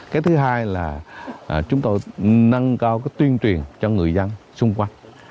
cái thứ hai là chúng tôi nâng cao cái tuyên truyền cho người dân xung quanh